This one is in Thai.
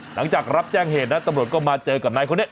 หลังจากรับแจ้งเหตุนะตำรวจก็มาเจอกับนายคนนี้